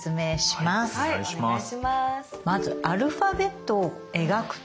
まずアルファベットを描くということです。